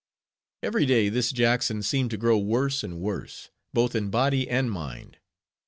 Every day this Jackson seemed to grow worse and worse, both in body and mind.